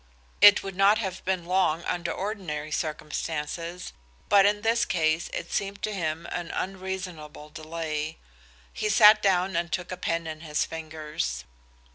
It would not have been long under ordinary circumstances, but in this case it seemed to him an unreasonable delay. He sat down and took a pen in his fingers.